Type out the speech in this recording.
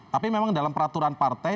tapi memang dalam peraturan partai